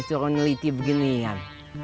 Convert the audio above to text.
suruh neliti beginian